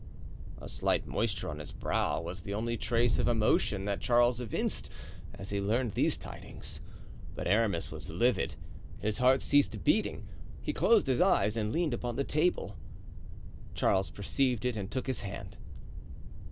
A slight moisture on his brow was the only trace of emotion that Charles evinced, as he learned these tidings. But Aramis was livid. His heart ceased beating, he closed his eyes and leaned upon the table. Charles perceived it and took his hand.